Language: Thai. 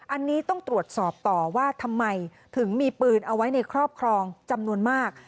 อันนี้ต้องตรวจสอบต่อว่าทำไมถึงมีปืนเอาไว้ในครอบครองจำนวนมาก